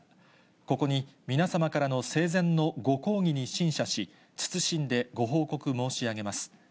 ここに皆様からの生前のごこうぎに深謝し、謹んでご報告申し上げます。